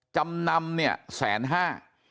จำนำเนี่ยแสนห้า